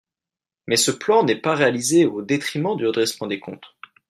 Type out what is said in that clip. Mais ce plan n’est pas réalisé au détriment du redressement des comptes.